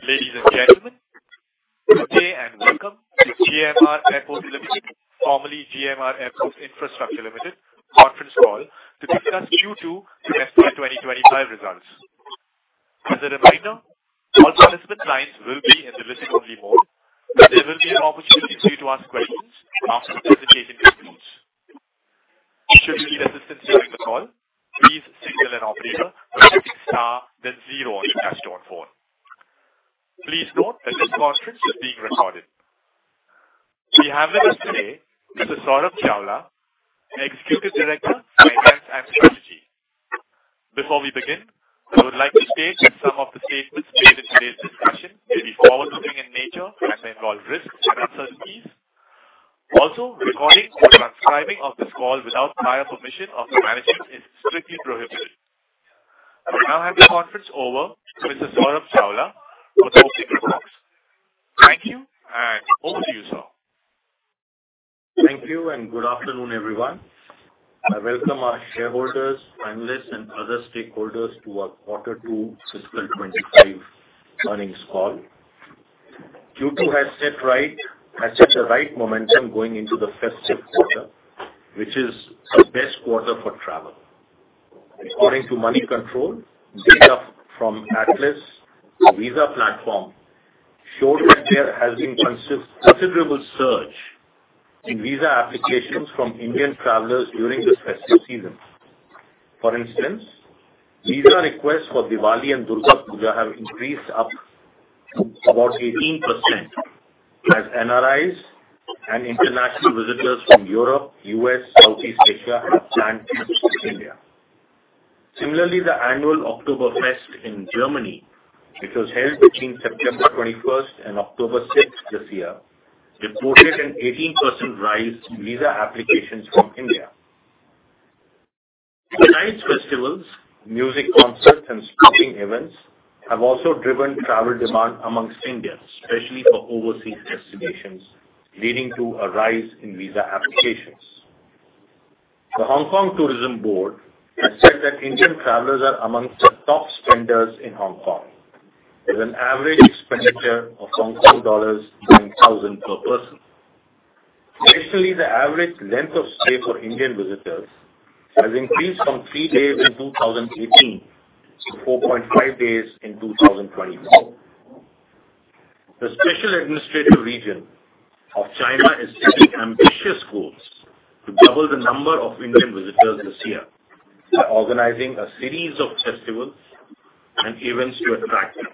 Ladies and gentlemen, good day, and welcome to GMR Airports Limited, formerly GMR Airports Infrastructure Limited conference call to discuss Q2 and FY 2025 results. As a reminder, all participant lines will be in the listen-only mode, and there will be an opportunity for you to ask questions after the presentation concludes. Should you need assistance during the call, please signal an operator by pressing star then zero on your touchtone phone. Please note that this conference is being recorded. We have with us today, Mr. Saurabh Chawla, Executive Director, Finance and Strategy. Before we begin, I would like to state that some of the statements made in today's discussion may be forward-looking in nature and may involve risks and uncertainties. Also, recording or transcribing of this call without prior permission of the management is strictly prohibited. I now hand the conference over to Mr. Saurabh Chawla for the opening remarks. Thank you, and over to you, sir. Thank you, and good afternoon, everyone. I welcome our shareholders, analysts, and other stakeholders to our quarter two fiscal 2025 earnings call. Q2 has set the right momentum going into the festive quarter, which is the best quarter for travel. According to Moneycontrol, data from Atlys visa platform showed that there has been considerable surge in visa applications from Indian travelers during this festive season. For instance, visa requests for Diwali and Durga Puja have increased up about 18%, as NRIs and international visitors from Europe, U.S., Southeast Asia have planned trips to India. Similarly, the annual Oktoberfest in Germany, which was held between September 21st and October 6th this year, reported an 18% rise in visa applications from India. Tonight's festivals, music concerts, and sporting events have also driven travel demand among Indians, especially for overseas destinations, leading to a rise in visa applications. The Hong Kong Tourism Board has said that Indian travelers are among the top spenders in Hong Kong, with an average expenditure of HKD 20,000 per person. Additionally, the average length of stay for Indian visitors has increased from three days in 2018 to 4.5 days in 2021. The special administrative region of China is setting ambitious goals to double the number of Indian visitors this year by organizing a series of festivals and events to attract them.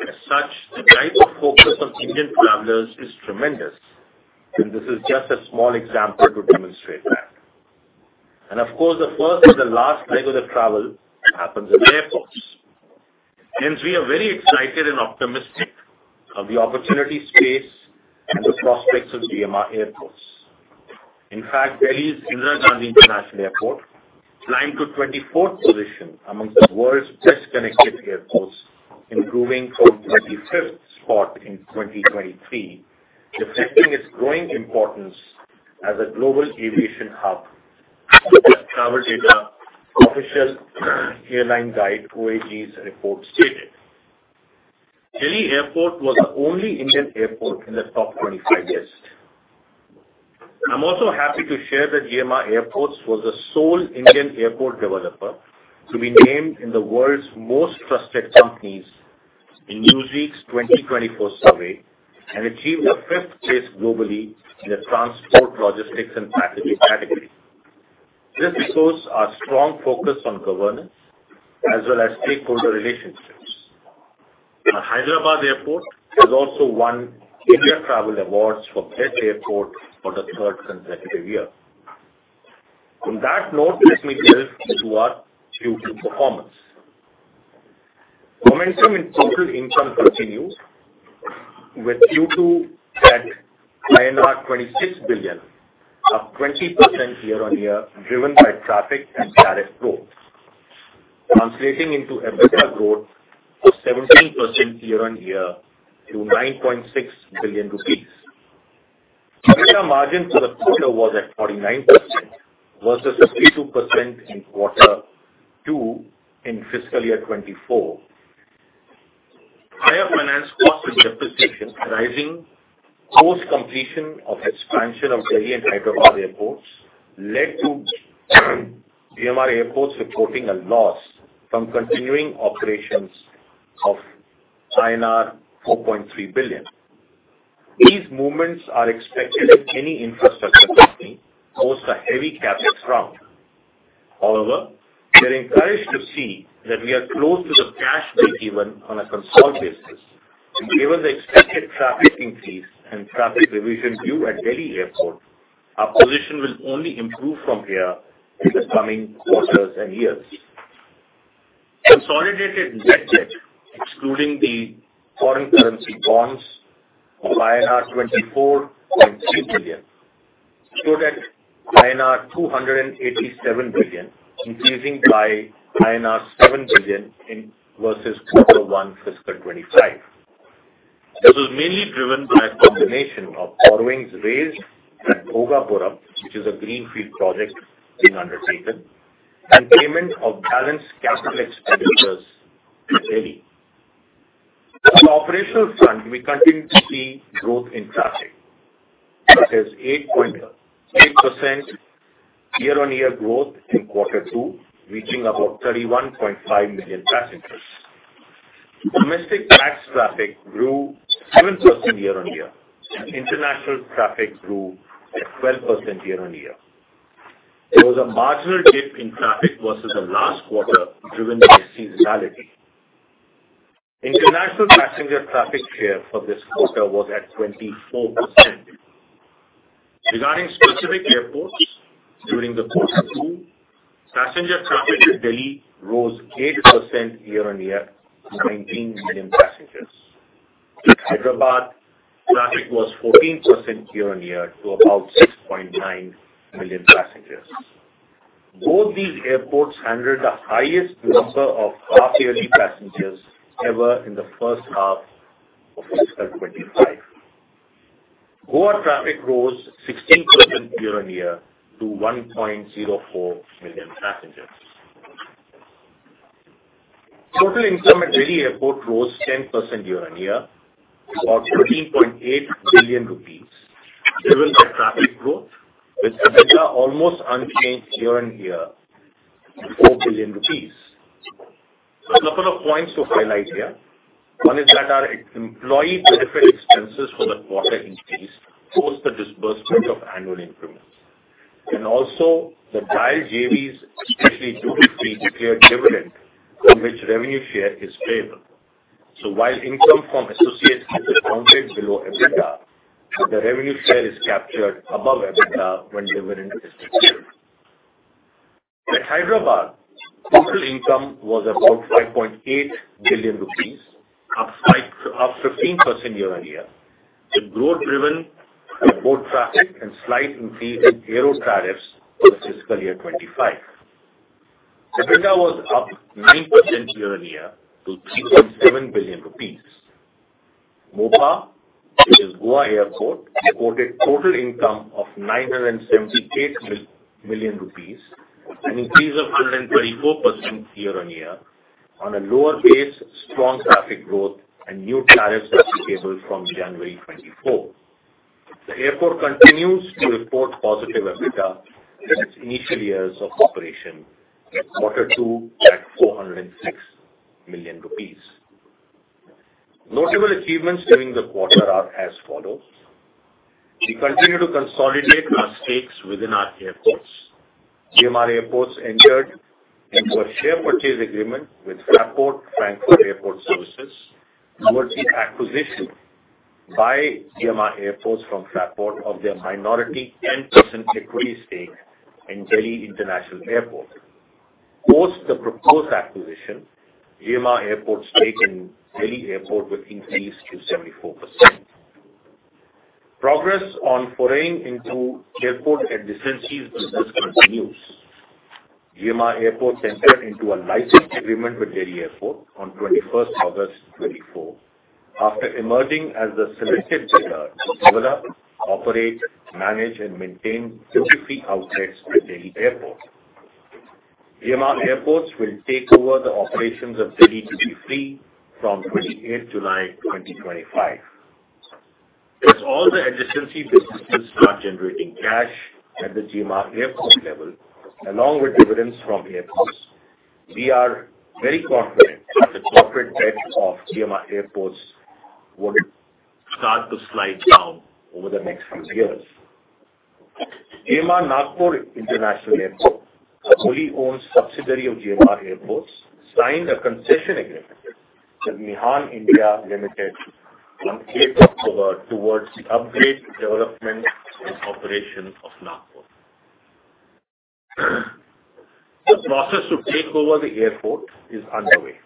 As such, the type of focus on Indian travelers is tremendous, and this is just a small example to demonstrate that. Of course, the first and the last leg of the travel happens in airports, hence we are very excited and optimistic of the opportunity space and the prospects of GMR Airports. In fact, Delhi's Indira Gandhi International Airport climbed to 24th position amongst the world's best-connected airports, improving from 25th spot in 2023, reflecting its growing importance as a global aviation hub, with travel data Official Airline Guide, OAG's report stated. Delhi Airport was the only Indian airport in the top 25 list. I'm also happy to share that GMR Airports was the sole Indian airport developer to be named in the world's most trusted companies in Newsweek's 2024 survey and achieved the fifth place globally in the transport, logistics, and packaging category. This shows our strong focus on governance as well as stakeholder relationships. Our Hyderabad Airport has also won India Travel Awards for Best Airport for the third consecutive year. On that note, let me delve into our Q2 performance. Momentum in total income continues, with Q2 at 26 billion, up 20% year-on-year, driven by traffic and tariff growth, translating into EBITDA growth of 17% year-on-year to INR 9.6 billion. EBITDA margin for the quarter was at 49%, versus 52% in quarter two in fiscal year 2024. Higher finance costs and depreciation rising post-completion of expansion of Delhi and Hyderabad airports led to GMR Airports reporting a loss from continuing operations of INR 4.3 billion. These movements are expected in any infrastructure company post a heavy CapEx round. However, we are encouraged to see that we are close to the cash breakeven on a consolidated basis. Given the expected traffic increase and traffic revision due at Delhi Airport, our position will only improve from here in the coming quarters and years. Consolidated net debt, excluding the foreign currency bonds of INR 24.3 billion, stood at INR 287 billion, increasing by INR 7 billion in versus quarter one fiscal 2025. This was mainly driven by a combination of borrowings raised at Bhogapuram, which is a greenfield project being undertaken, and payment of balanced capital expenditures in Delhi. On the operational front, we continue to see growth in traffic. This is 8.8% year-on-year growth in quarter two, reaching about 31.5 million passengers. Domestic pax traffic grew 7% year-on-year. International traffic grew 12% year-on-year. There was a marginal dip in traffic versus the last quarter, driven by seasonality. International passenger traffic share for this quarter was at 24%. Regarding specific airports, during quarter two, passenger traffic in Delhi rose 8% year-on-year to 19 million passengers. Hyderabad traffic was 14% year-on-year to about 6.9 million passengers. Both these airports handled the highest number of half-yearly passengers ever in the first half of fiscal 2025. Goa traffic rose 16% year-on-year to 1.04 million passengers. Total income at Delhi Airport rose 10% year-on-year to about INR 13.8 billion, driven by traffic growth, with EBITDA almost unchanged year-on-year to 4 billion rupees. So a couple of points to highlight here. One is that our employee benefit expenses for the quarter increased post the disbursement of annual increments, and also the Delhi JVs, especially duty-free, declared dividend, from which revenue share is payable. So while income from associates is counted below EBITDA, the revenue share is captured above EBITDA when dividend is declared. At Hyderabad, total income was about 5.8 billion rupees, up 15% year-on-year. The growth driven by both traffic and slight increase in aero tariffs for fiscal year 2025. EBITDA was up 9% year-on-year to 3.7 billion rupees. MOPA, which is Goa Airport, reported total income of 978 million rupees, an increase of 124% year-on-year on a lower base, strong traffic growth and new tariffs applicable from January 2024. The airport continues to report positive EBITDA in its initial years of operation, quarter two at INR 406 million. Notable achievements during the quarter are as follows: We continue to consolidate our stakes within our airports. GMR Airports entered into a share purchase agreement with Fraport Frankfurt Airport Services towards the acquisition by GMR Airports from Fraport of their minority 10% equity stake in Delhi International Airport. Post the proposed acquisition, GMR Airports stake in Delhi Airport will increase to 74%. Progress on foraying into airport adjacencies business continues. GMR Airports entered into a license agreement with Delhi Airport on twenty-first August 2024. After emerging as the selected bidder to operate, manage, and maintain duty-free outlets at Delhi Airport. GMR Airports will take over the operations of Delhi Duty Free from twenty-eighth July 2025. As all the adjacencies businesses start generating cash at the GMR Airports level, along with dividends from airports, we are very confident that the corporate debt of GMR Airports would start to slide down over the next few years. GMR Nagpur International Airport, a wholly owned subsidiary of GMR Airports, signed a concession agreement with MIHAN India Limited on eighth October towards the upgrade, development, and operation of Nagpur. The process to take over the airport is underway.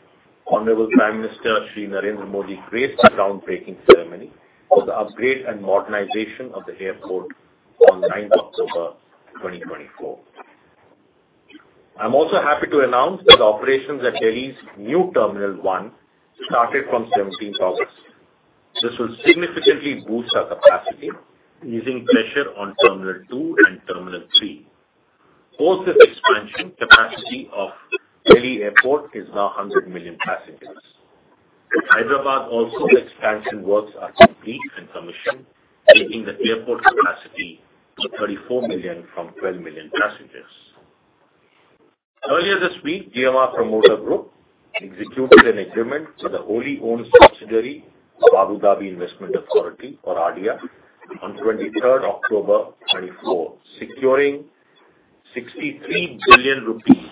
Honorable Prime Minister Shri Narendra Modi graced the groundbreaking ceremony for the upgrade and modernization of the airport on ninth October twenty twenty-four. I'm also happy to announce that operations at Delhi's new Terminal 1 started from seventeenth August. This will significantly boost our capacity, easing pressure on Terminal 2 and Terminal 3. Post this expansion, capacity of Delhi Airport is now 100 million passengers. Hyderabad also, expansion works are complete and commissioned, taking the airport capacity to 34 million from 12 million passengers. Earlier this week, GMR Promoter Group executed an agreement with a wholly owned subsidiary of Abu Dhabi Investment Authority, or ADIA, on 23rd October 2024, securing 63 billion rupees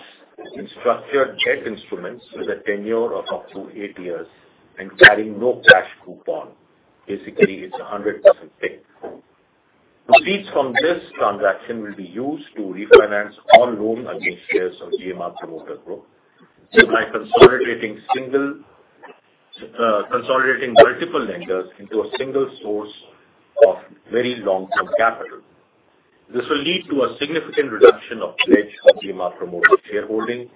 in structured debt instruments with a tenure of up to eight years and carrying no cash coupon. Basically, it's 100% fixed. Proceeds from this transaction will be used to refinance all loans against shares of GMR Promoter Group by consolidating multiple lenders into a single source of very long-term capital. This will lead to a significant reduction of pledge of GMR Promoter shareholding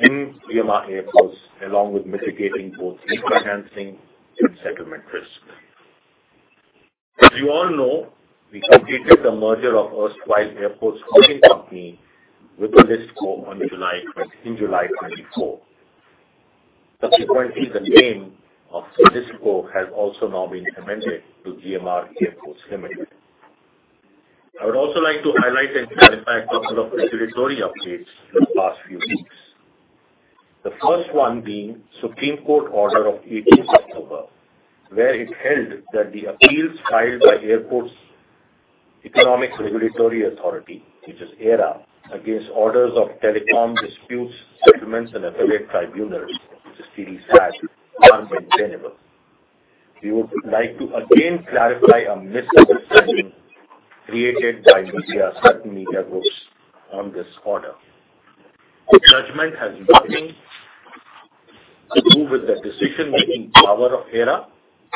in GMR Airports, along with mitigating both refinancing and settlement risk. As you all know, we completed the merger of erstwhile Airports Holding Company with the listed company in July 2024. Subsequently, the name of the listed company has also now been amended to GMR Airports Limited. I would also like to highlight and clarify a couple of regulatory updates from the past few weeks. The first one being Supreme Court order of eighteenth October, where it held that the appeals filed by Airports Economic Regulatory Authority, which is AERA, against orders of Telecom Disputes Settlement and Appellate Tribunal, which is TDSAT, are maintainable. We would like to again clarify a misunderstanding created by media, certain media groups, on this order. The judgment has nothing to do with the decision-making power of AERA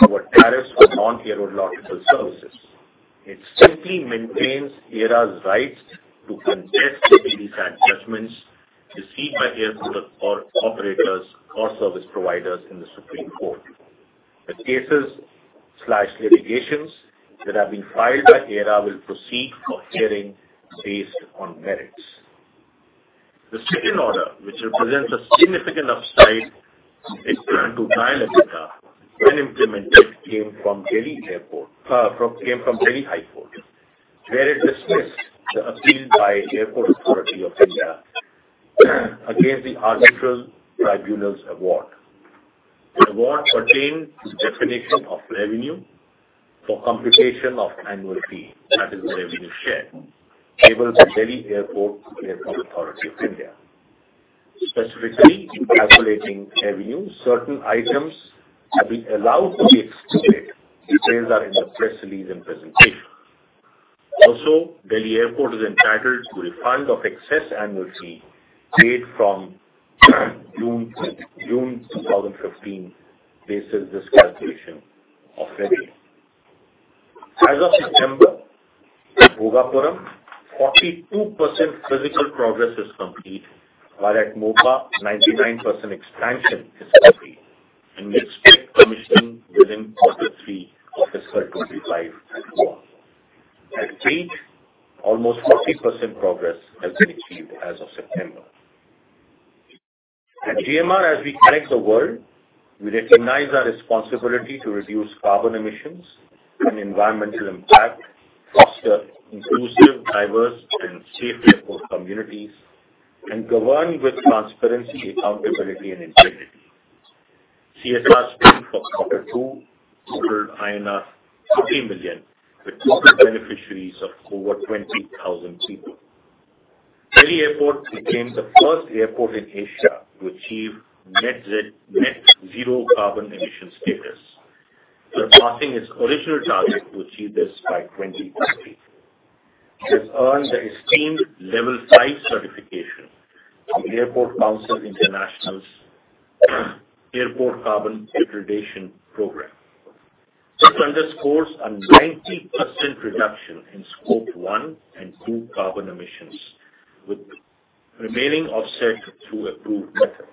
over tariffs for non-aeronautical services. It simply maintains AERA's rights to contest TDSAT judgments received by airports or operators or service providers in the Supreme Court. The cases/litigations that have been filed by AERA will proceed for hearing based on merits. The second order, which represents a significant upside to Nile Delta, when implemented, came from Delhi High Court, where it dismissed the appeal by Airports Authority of India against the Arbitral Tribunal's award. The award pertained to definition of revenue for computation of annual fee, that is, the revenue share payable by Delhi Airport to Airports Authority of India. Specifically, in calculating revenue, certain items have been allowed to be excluded. Details are in the press release and presentation. Also, Delhi Airport is entitled to a refund of excess annual fee paid from June 2015, based on this calculation of revenue. As of September, Bhogapuram, 42% physical progress is complete, while at Mopa, 99% expansion is complete, and we expect commissioning within quarter three of fiscal 2025 as well. At Crete, almost 40% progress has been achieved as of September. At GMR, as we connect the world, we recognize our responsibility to reduce carbon emissions and environmental impact, foster inclusive, diverse and safe airport communities, and govern with transparency, accountability, and integrity. CSR spend for quarter two totaled INR 16 million, with total beneficiaries of over 20,000 people. Delhi Airport became the first airport in Asia to achieve net zero carbon emission status, surpassing its original target to achieve this by 2020. It has earned the esteemed Level 5 certification from Airports Council International's Airport Carbon Accreditation program. This underscores a 90% reduction in Scope 1 and 2 carbon emissions, with remaining offset through approved methods.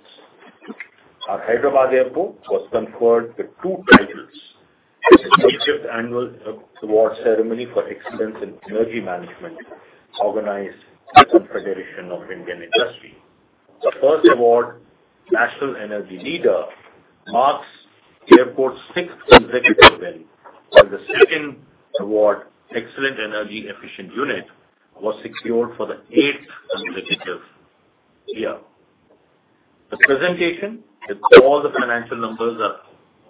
Our Hyderabad Airport was conferred with two titles at the eighth annual award ceremony for Excellence in Energy Management, organized by the Confederation of Indian Industry. The first award, National Energy Leader, marks the airport's sixth consecutive win, while the second award, Excellent Energy Efficient Unit, was secured for the eighth consecutive year. The presentation with all the financial numbers are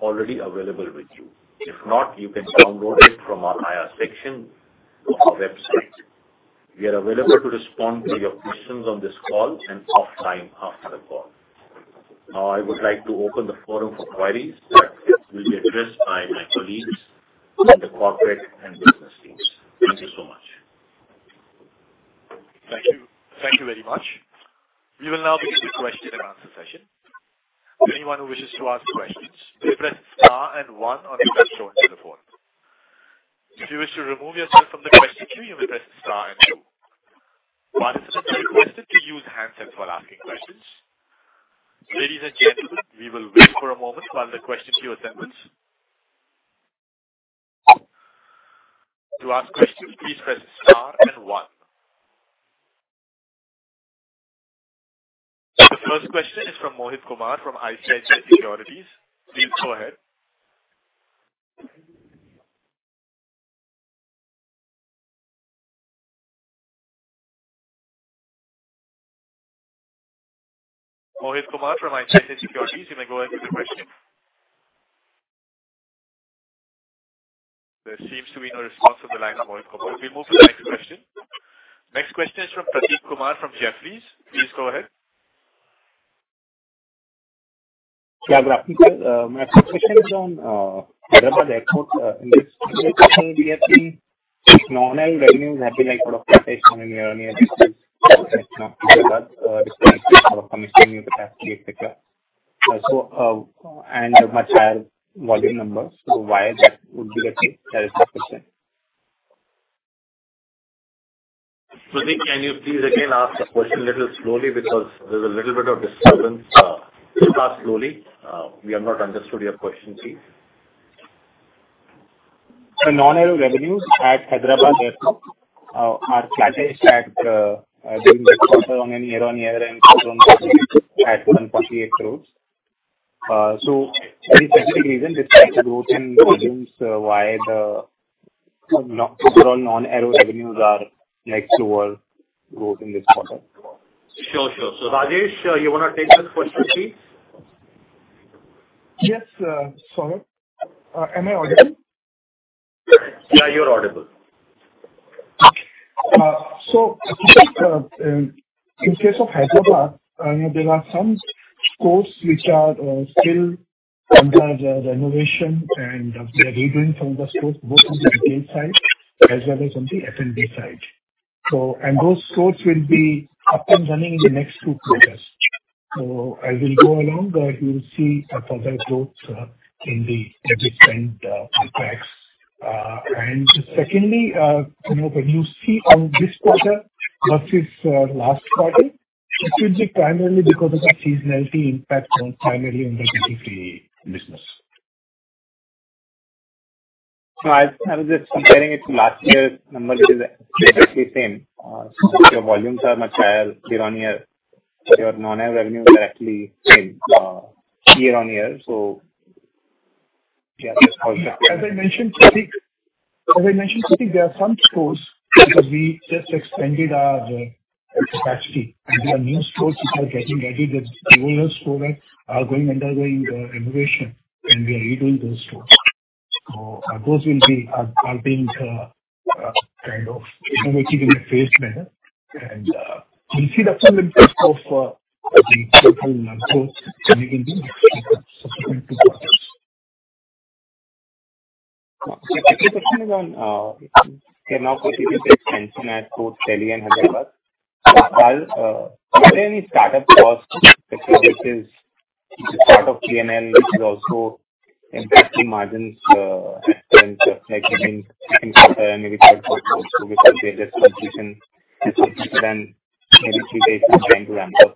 already available with you. If not, you can download it from our IR section of our website. We are available to respond to your questions on this call and offline after the call. Now, I would like to open the forum for queries that will be addressed by my colleagues and the corporate and business teams. Thank you so much. Thank you. Thank you very much. We will now begin the question-and-answer session. Anyone who wishes to ask questions, please press star and one on your touchtone telephone. If you wish to remove yourself from the question queue, you may press star and two. Participants are requested to use handsets while asking questions. Ladies and gentlemen, we will wait for a moment while the question queue amends. To ask questions, please press star and one. The first question is from Mohit Kumar, from ICICI Securities. Please go ahead. Mohit Kumar from ICICI Securities, you may go ahead with your question. There seems to be no response on the line from Mohit Kumar. We'll move to the next question. Next question is from Prateek Kumar, from Jefferies. Please go ahead. Yeah, graphic, my first question is on Hyderabad Airport. In this quarter, we have seen non-air revenues have been, like, sort of flatish or near these expenses or commissioning you would have to take the care. So, and much higher volume numbers, so why that would be the case? That is the question. Prateek, can you please again ask the question a little slowly because there's a little bit of disturbance. Please ask slowly. We have not understood your question, please. Non-aero revenues at Hyderabad Airport are flattish during this quarter on a year-on-year, and at INR 148 crores. Any specific reason this type of growth in revenues, why overall non-aero revenues are, like, slower growth in this quarter? Sure, sure. So, Rajesh, you wanna take this question, please? Yes, Saurabh. Am I audible? Yeah, you're audible. So, in case of Hyderabad, there are some stores which are still under the renovation, and we are redoing from the stores, both on the retail side as well as on the F&B side. So and those stores will be up and running in the next two quarters. I will go along, but you will see a further growth in the different impacts. And secondly, you know, when you see on this quarter versus last quarter, it is primarily because of the seasonality impact on primarily on the duty-free business. No, I, I was just comparing it to last year's number, which is exactly same. So your volumes are much higher year-on-year. Your non-aero revenue is exactly same, year-on-year, so yeah. As I mentioned, Prateek, there are some stores which we just extended our strategy. There are new stores which are getting ready. The older stores are undergoing renovation, and we are redoing those stores. Those are being kind of economically in a phased manner. You'll see the full impact of the total number of stores during the next two quarters. My second question is on, okay, now proceeding with the expansion at both Delhi and Hyderabad. Are there any startup costs, such as part of PNL, which is also impacting margins, and like, I mean, maybe 5%, which will change the situation, and then maybe three days time to ramp up,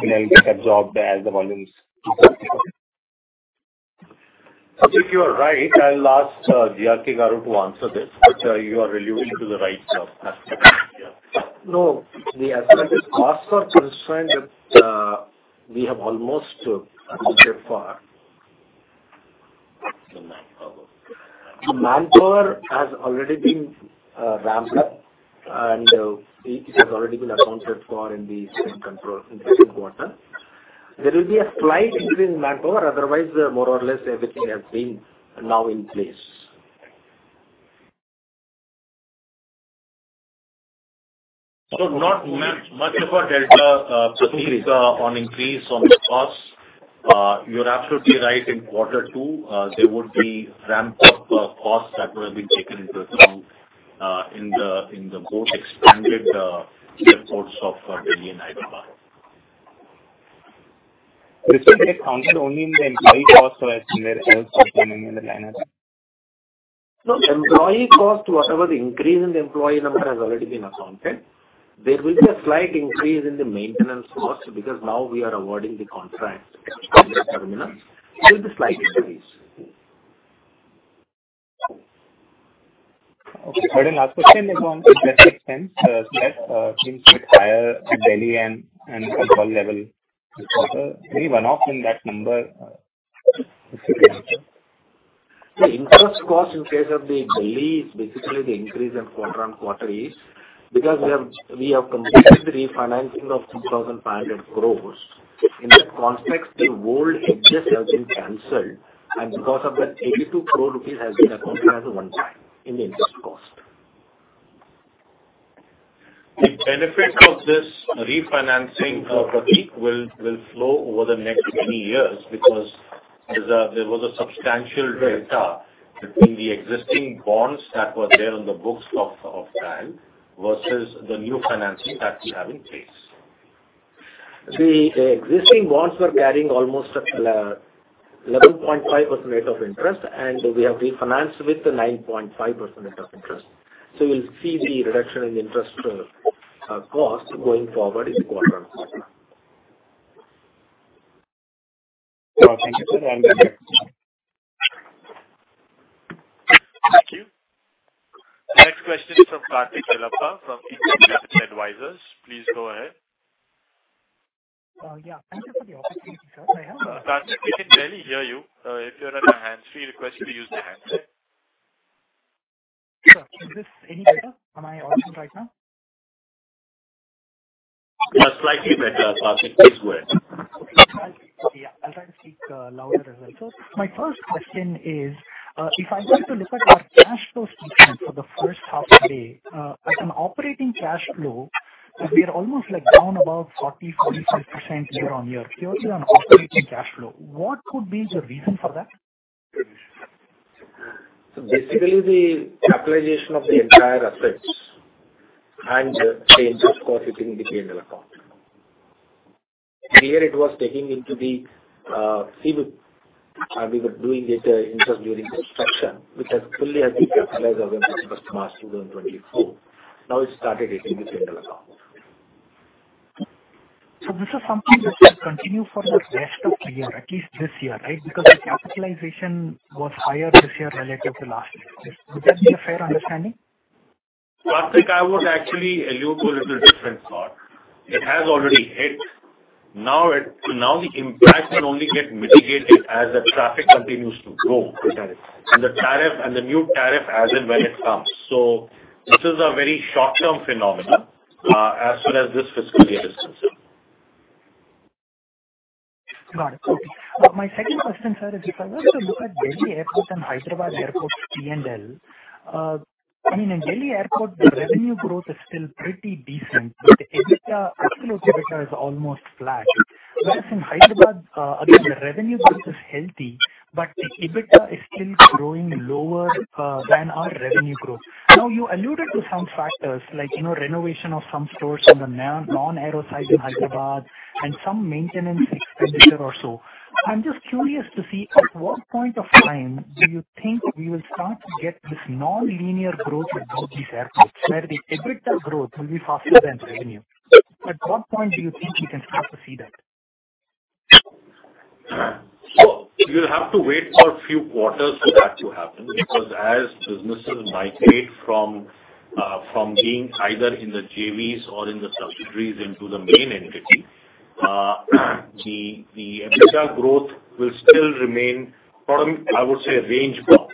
and it will get absorbed as the volumes? I think you are right. I'll ask G.R.K. Babu to answer this, which you are alluding to the right stuff. No, the expected costs are concerned that we have almost reached it far. The manpower has already been ramped up, and it has already been accounted for in the same control in the same quarter. There will be a slight increase in manpower. Otherwise, more or less, everything has been now in place. Not much of a delta, Prateek, on the increase in costs. You're absolutely right. In quarter two, there would be ramped up costs that would have been taken into account in both the expanded airports of Delhi and Hyderabad. This will be accounted only in the employee costs, or is there anything else in the finance? No, employee cost, whatever the increase in the employee number, has already been accounted. There will be a slight increase in the maintenance cost, because now we are awarding the contract for seven years. There will be a slight increase. Okay, one last question is on interest expense. Seems a bit higher at Delhi and Mumbai level. Any one-off in that number? The interest cost in case of the Delhi is basically the increase in quarter-on-quarter is because we have completed the refinancing of 2,500 crores. In that context, the old hedges have been canceled, and because of that, 82 crore rupees has been accounted as a one-time in the interest cost. The benefit of this refinancing, Prateek, will flow over the next many years because there was a substantial delta between the existing bonds that were there on the books of DIAL versus the new financing that we have in place. The existing bonds were carrying almost 11.5% rate of interest, and we have refinanced with the 9.5% rate of interest. So we'll see the reduction in the interest cost going forward in the quarters. Thank you, sir. I'm done. Thank you. Next question is from Karthik Chellappa from Indus Capital Advisors. Please go ahead. Yeah. Thank you for the opportunity, sir. I have- Karthik, we can barely hear you. If you're on a hands-free, request you to use the handset. Sir, is this any better? Am I audible right now? You are slightly better, Karthik. Please go ahead. Okay. Yeah, I'll try to speak louder as well. So my first question is, if I were to look at your cash flow statement for the first half of the year, as an operating cash flow, we are almost like down about 40%-45% year-on-year, purely on operating cash flow. What could be the reason for that?... So basically, the capitalization of the entire assets and the interest cost hitting the P&L account. Earlier, it was taking into the CWIP, and we were doing IDC, interest during construction, which has fully been capitalized as of 1st March 2024. Now it started hitting the P&L account. This is something that will continue for the rest of the year, at least this year, right? Because the capitalization was higher this year relative to last year. Would that be a fair understanding? Karthik, I would actually allude to a little different thought. It has already hit. Now, it, now the impact can only get mitigated as the traffic continues to grow, and the tariff, and the new tariff as and when it comes. So this is a very short-term phenomenon, as far as this fiscal year is concerned. Got it. Okay. My second question, sir, is if I were to look at Delhi Airport and Hyderabad Airport P&L, I mean, in Delhi Airport, the revenue growth is still pretty decent, but the EBITDA, absolute EBITDA is almost flat. Whereas in Hyderabad, again, the revenue growth is healthy, but the EBITDA is still growing lower than our revenue growth. Now, you alluded to some factors like, you know, renovation of some stores on the non-aero side in Hyderabad and some maintenance expenditure or so. I'm just curious to see, at what point of time do you think we will start to get this nonlinear growth at both these airports, where the EBITDA growth will be faster than revenue? At what point do you think we can start to see that? So you'll have to wait for a few quarters for that to happen, because as businesses migrate from being either in the JVs or in the subsidiaries into the main entity, the EBITDA growth will still remain bottom, I would say, range bottom.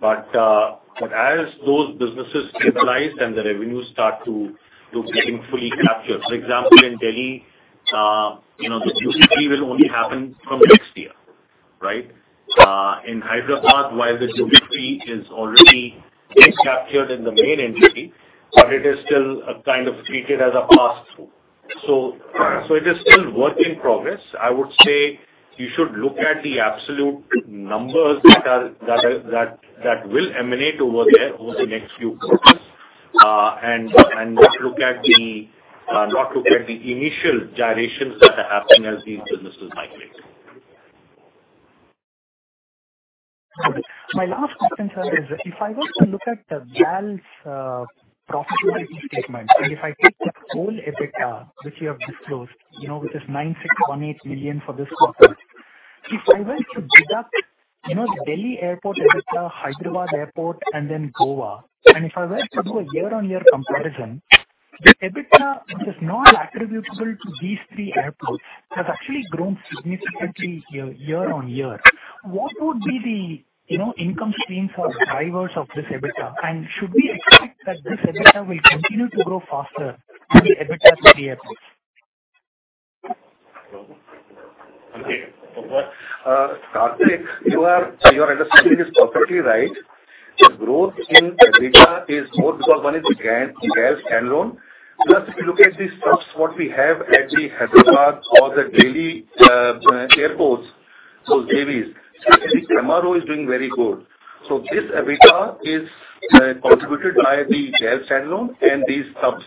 But as those businesses stabilize and the revenues start to getting fully captured. For example, in Delhi, you know, the UDF will only happen from next year, right? In Hyderabad, while the UDF is already captured in the main entity, but it is still kind of treated as a pass-through. So it is still work in progress. I would say you should look at the absolute numbers that will emanate over there over the next few quarters. And not look at the initial gyrations that are happening as these businesses migrate. My last question, sir, is if I were to look at the GAL's profitability statement, and if I take the whole EBITDA, which you have disclosed, you know, which is 9,618 million for this quarter. If I were to deduct, you know, the Delhi Airport EBITDA, Hyderabad Airport, and then Goa, and if I were to do a year-on-year comparison, the EBITDA, which is not attributable to these three airports, has actually grown significantly year-on-year. What would be the, you know, income streams or drivers of this EBITDA? And should we expect that this EBITDA will continue to grow faster than the EBITDA for the airports? Okay. Karthik, you are, your understanding is perfectly right. The growth in EBITDA is more because one is the GAL standalone. Plus, if you look at the subs, what we have at the Hyderabad or the Delhi airports, those JVs, actually, MRO is doing very good. So this EBITDA is contributed by the GAL standalone and these subs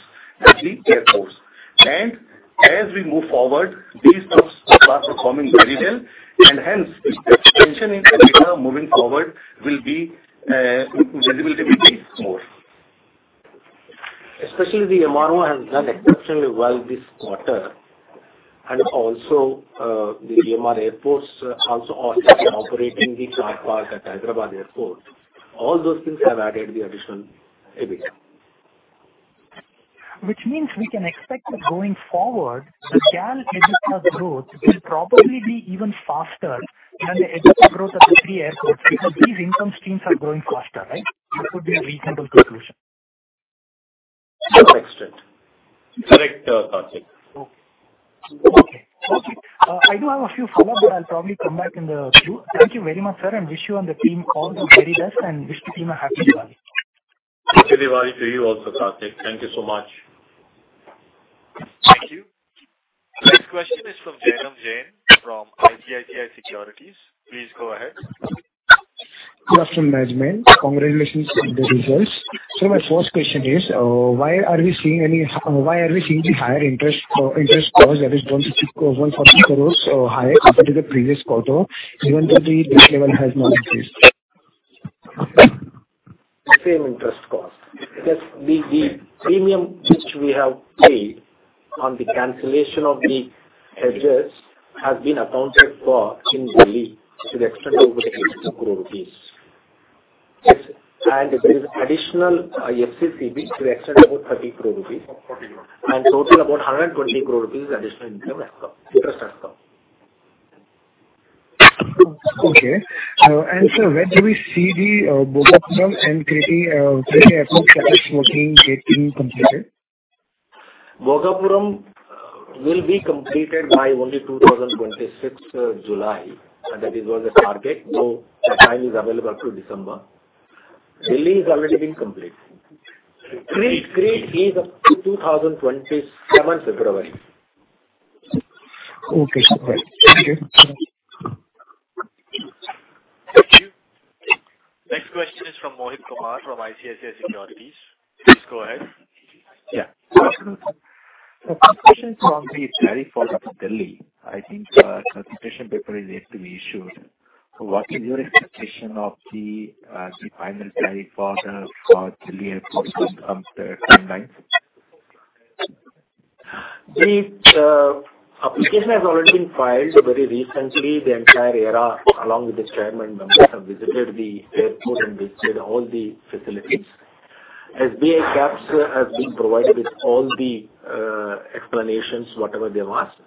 at the airports. And as we move forward, these subs will start performing very well, and hence, the expansion in EBITDA moving forward will be visibility more. Especially the MRO has done exceptionally well this quarter, and also, the GMR airports also operating the cargo part at Hyderabad Airport. All those things have added the additional EBITDA. Which means we can expect that going forward, the GAL EBITDA growth will probably be even faster than the EBITDA growth of the three airports, because these income streams are growing faster, right? This would be a reasonable conclusion. To a great extent. Correct, Karthik. Okay. Okay. I do have a few follow-up, but I'll probably come back in the queue. Thank you very much, sir, and wish you and the team all the very best, and wish the team a Happy Diwali! Happy Diwali to you also, Karthik. Thank you so much. Thank you. Next question is from Jainam Jain, from ICICI Securities. Please go ahead. Good afternoon, management. Congratulations on the results. My first question is, why are we seeing the higher interest cost that is INR 160 crores, INR 140 crores higher compared to the previous quarter, even though the debt level has not increased? The same interest cost. Because the premium which we have paid on the cancellation of the hedges has been accounted for in Delhi to the extent of 60 crore rupees. And there is additional FCCB to the extent about 30 crore rupees, and total about 120 crore rupees additional income, interest has come. Okay. And, sir, when do we see the Bhogapuram and Crete Airport project 14, 18 completed? Bhogapuram will be completed by only 2026, July. That is the target, so the time is available through December. Delhi has already been completed. Crete is up to 2027 February.... Okay. All right. Thank you. Thank you. Next question is from Mohit Kumar from ICICI Securities. Please go ahead. Yeah. So my question from the tariff order for Delhi, I think, consultation paper is yet to be issued. So what is your expectation of the final tariff order for Delhi Airport in terms of the timelines? The application has already been filed very recently. The entire AERA, along with the Chair and members, have visited the airport and visited all the facilities. The gaps have been provided with all the explanations, whatever they've asked.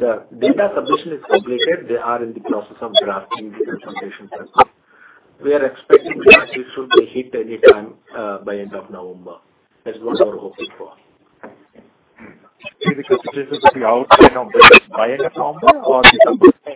Now, the data submission is completed. They are in the process of drafting the consultation paper. We are expecting that it should be out anytime, by end of November. That's what we're hoping for. See the consultation to be out, you know, by end of November or December? By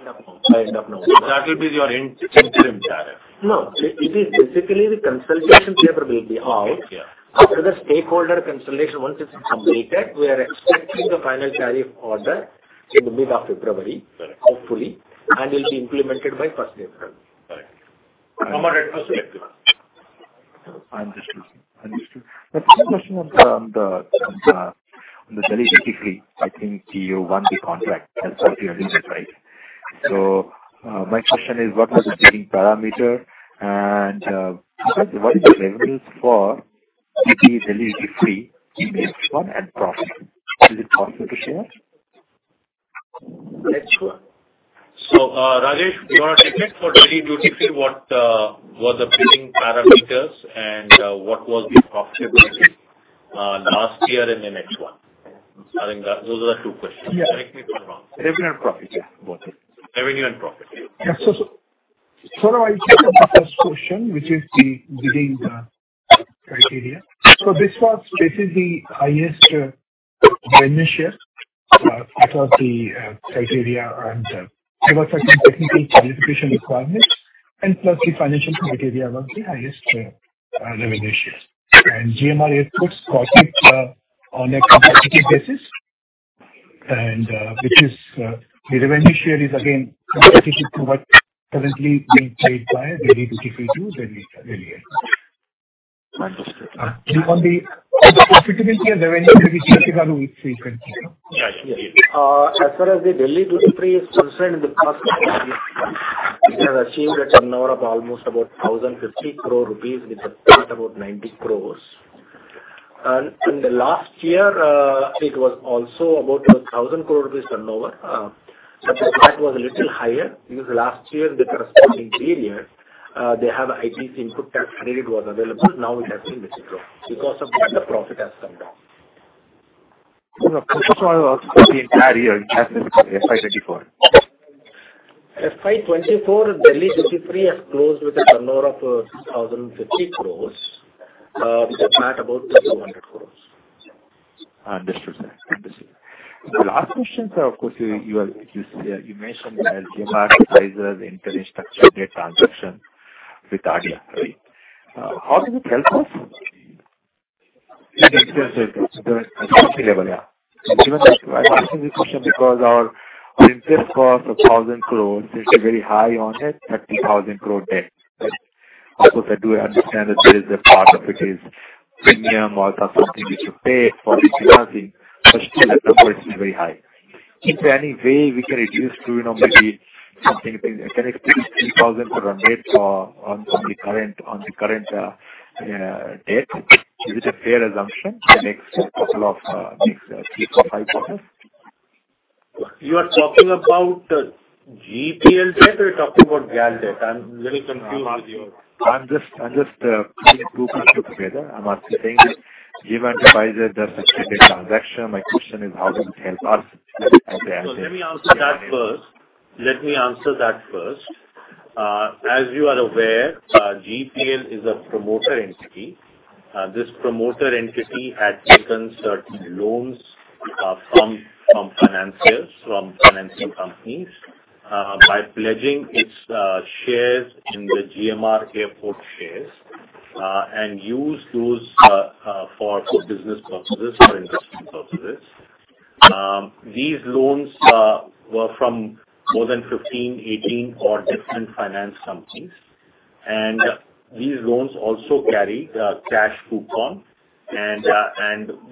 end of November. That will be your interim tariff. No, it is basically the consultation paper will be out. Yeah. After the stakeholder consultation, once it's completed, we are expecting the final tariff order in the middle of February. Correct. Hopefully, and will be implemented by 1st April. Correct. Understood. Understood. The second question on the Delhi duty-free, I think you won the contract. That's what you're doing, right? So, my question is, what was the bidding parameter and, what is the revenues for Delhi Duty Free in next one and profit? Is it possible to share? Rajesh, you want to take it for Delhi Duty Free? What were the bidding parameters and what was the profitability last year and the next one? I think that those are the two questions. Yeah. Correct me if I'm wrong. Revenue and profit, yeah, both. Revenue and profit. Yeah. So I'll take up the first question, which is the bidding criteria. So this was, this is the highest revenue share for the criteria and there were certain technical qualification requirements, and plus the financial criteria was the highest revenue share. And GMR Airport got it on a competitive basis, and which is the revenue share is again competitive to what currently being paid by Delhi Duty Free to Delhi Airport. Understood. On the profitability and revenue, maybe G.R.K. Babu can speak with you. Yeah, yeah. As far as the Delhi Duty Free is concerned, in the past we have achieved a turnover of almost 1,050 crore rupees with about 90 crore. And in the last year, it was also about 1,000 crore rupees turnover. But the profit was a little higher because last year, the corresponding period, they have ITC input tax credit was available. Now it has been withdrawn. Because of that, the profit has come down. The consumption was for the entire year, in FY 2024. FY 2024, Delhi Duty Free has closed with a turnover of 1,050 crores, with a PAT about 700 crores. Understood, sir. Understood. The last question, sir, of course, you mentioned that GMR Enterprises entered a structured transaction with ADIA, right? How does it help us? At the group level, yeah. I'm asking this question because our interest cost of 1,000 crores is very high on it, 30,000 crore debt. Of course, I do understand that there is a part of it is premium or something you should pay for this financing, but still the number is still very high. Is there any way we can reduce to, you know, maybe something between INR 10 -3,000 crore on debt, on the current debt? Is it a fair assumption for the next couple of next three to 5 years? You are talking about GPL debt or you're talking about GAL debt? I'm a little confused here. I'm just putting two things together. I'm asking, given Enterprises, the structured transaction, my question is: How does it help us as an entity? Let me answer that first. As you are aware, GPL is a promoter entity. This promoter entity had taken certain loans from financiers, from financing companies, by pledging its shares in the GMR Airport shares, and use those for business purposes or investment purposes. These loans were from more than 15, 18 or different finance companies. These loans also carry cash coupon, and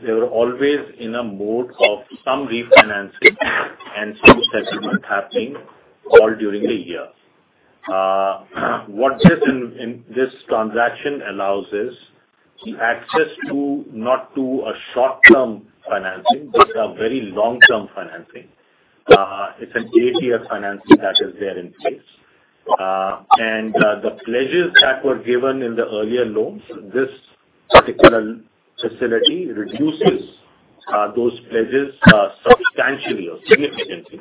they were always in a mode of some refinancing and some settlement happening all during the year. What this transaction allows is access to, not to a short-term financing, but a very long-term financing. It's an eight-year financing that is there in place. and the pledges that were given in the earlier loans, this particular facility reduces those pledges substantially or significantly.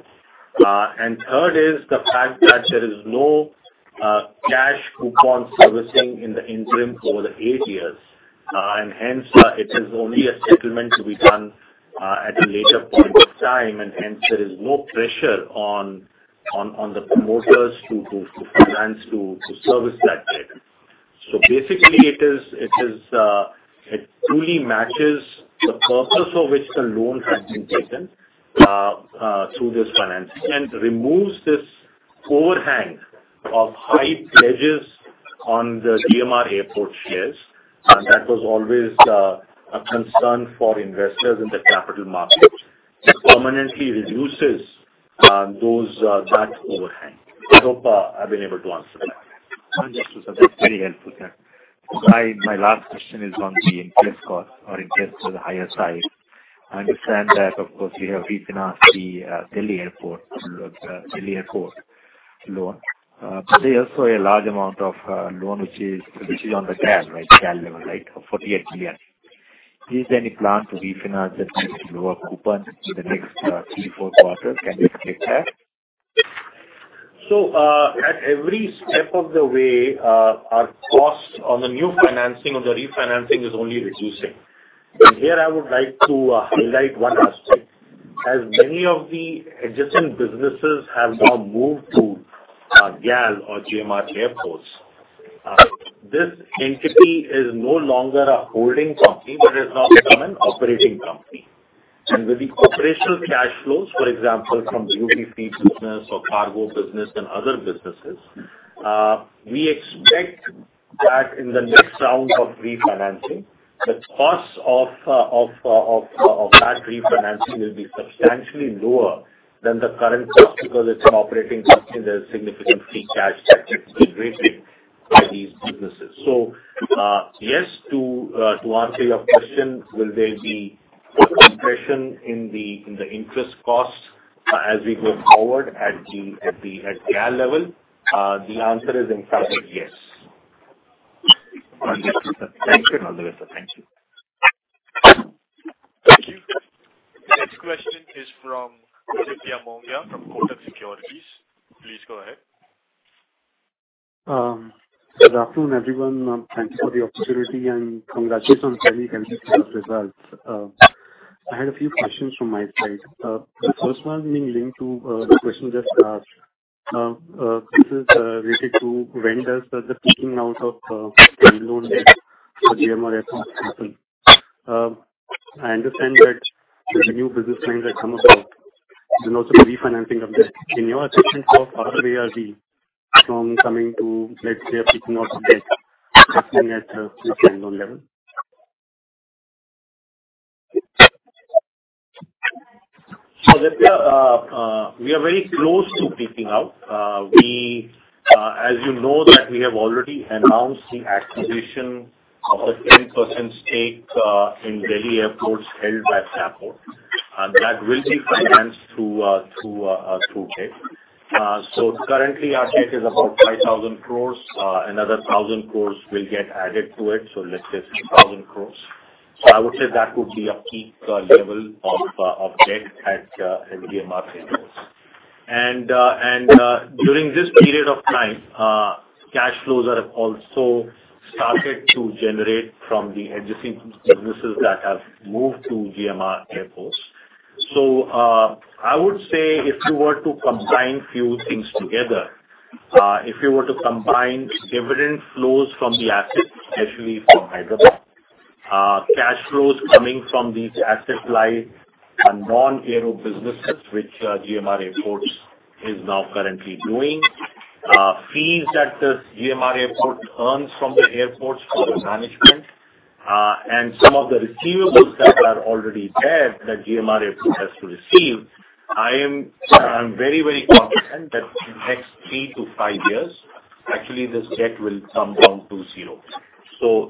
And third is the fact that there is no cash coupon servicing in the interim for the eight years. And hence it is only a settlement to be done at a later point of time, and there is no pressure on the promoters to finance, to service that debt. So basically it truly matches the purpose of which the loan has been taken through this financing, and removes this overhang of high pledges on the GMR Airport shares. And that was always a concern for investors in the capital markets. It permanently reduces that overhang. I hope I've been able to answer that. Thank you, sir. That's very helpful. My last question is on the interest cost. Our interest is on the higher side. I understand that of course, we have refinanced the Delhi Airport loan. But there's also a large amount of loan, which is on the GAL, right? The GAL level, right? 48 billion. Is there any plan to refinance at lower coupon in the next three, four quarters? Can you speak to that? At every step of the way, our costs on the new financing, on the refinancing is only reducing. And here I would like to highlight one aspect. As many of the adjacent businesses have now moved to GAL or GMR Airports, this entity is no longer a holding company, but has now become an operating company. And with the operational cash flows, for example, from the UDF business or cargo business and other businesses, we expect that in the next round of refinancing, the cost of that refinancing will be substantially lower than the current cost, because it's an operating company, there's significant free cash that is generated by these businesses. Yes, to answer your question, will there be a compression in the interest cost as we go forward at the GAL level? The answer is in fact, yes. Thank you, sir. Thank you. Thank you. Next question is from Aditya Mongia, from Kotak Securities. Please go ahead. Good afternoon, everyone. Thanks for the opportunity and congratulations on the results. I had a few questions from my side. The first one being linked to the question just asked. This is related to when does the peaking out of loan debt for GMR happen? I understand that with the new business lines that come about, and also the refinancing of debt. In your expectation, how far are we from coming to, let's say, a peaking out debt at the loan level? So Aditya, we are very close to peaking out. As you know, that we have already announced the acquisition of a 10% stake in Delhi Airport held by Fraport. And that will be financed through debt. So currently our debt is about 5,000 crores. Another 1,000 crores will get added to it, so let's say 6,000 crores. So I would say that would be a peak level of debt at GMR Airports. And during this period of time, cash flows are also started to generate from the adjacent businesses that have moved to GMR Airports. I would say if you were to combine a few things together, if you were to combine dividend flows from the assets, especially from Hyderabad, cash flows coming from these asset light and non-aero businesses, which GMR Airports is now currently doing, fees that this GMR Airport earns from the airports for the management, and some of the receivables that are already there, that GMR Airport has to receive, I'm very, very confident that the next three-to-five years, actually this debt will come down to zero.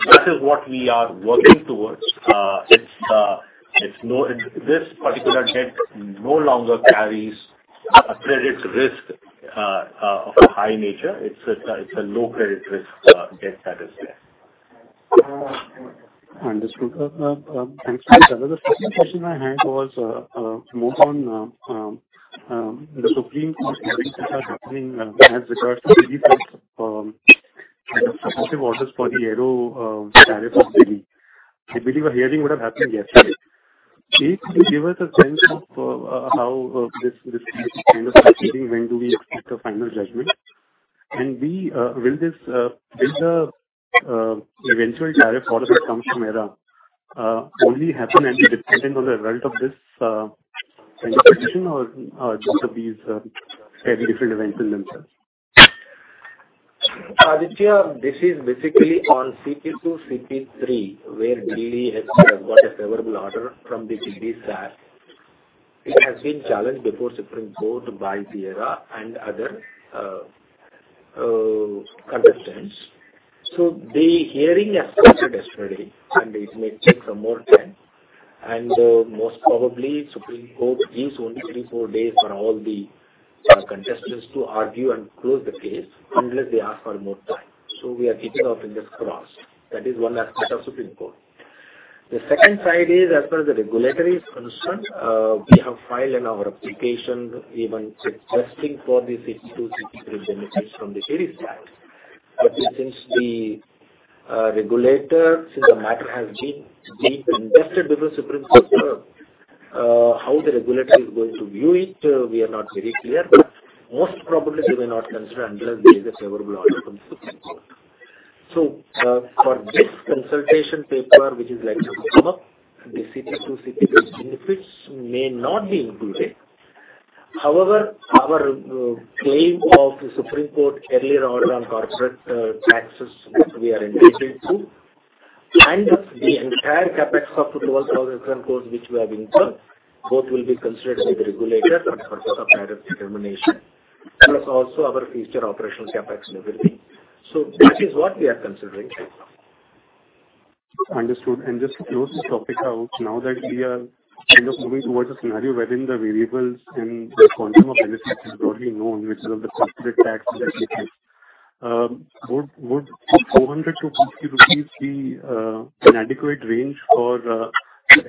This is what we are working towards. This particular debt no longer carries a credit risk of a high nature. It's a low credit risk debt that is there. Understood. Thanks for that. The second question I had was more on the Supreme Court hearings which are happening as regards to the successive orders for the aero tariff of Delhi. I believe a hearing would have happened yesterday. A, could you give us a sense of how this case is kind of proceeding? When do we expect a final judgment? And B, will the eventual tariff order that comes from AERA only happen and be dependent on the result of this kind of decision or these very different events in themselves? Aditya, this is basically on CP2, CP3, where Delhi has got a favorable order from the TDSAT. It has been challenged before Supreme Court by the AERA and other contestants, so the hearing has started yesterday, and it may take some more time. Most probably, Supreme Court gives only three to four days for all the contestants to argue and close the case, unless they ask for more time. So we are kicking off in this cross. That is one aspect of Supreme Court. The second side is, as far as the regulatory is concerned, we have filed an application, even suggesting for the CP2, CP3 benefits from the AERA side. But since the regulator, the matter has been contested with the Supreme Court-... How the regulator is going to view it, we are not very clear, but most probably they will not consider unless there is a favorable order from the Supreme Court. So, for this consultation paper, which is like to come up, the city-to-city benefits may not be included. However, our claim of the Supreme Court earlier order on corporate taxes, which we are entitled to, and the entire CapEx of 12,000 crore, which we have incurred, both will be considered with the regulator for purpose of added determination, plus also our future operational CapEx and everything. So this is what we are considering right now. Understood. And just to close this topic out, now that we are, you know, moving towards a scenario wherein the variables in the quantum of benefits is broadly known, which is of the corporate tax that we pay, would 400-450 rupees be an adequate range for the